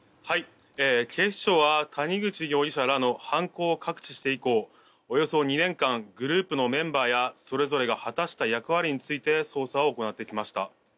警視庁は谷口容疑者らの犯行が発覚して以降およそ２年間グループのメンバーやそれぞれが果たした役割について捜査を行ってきました。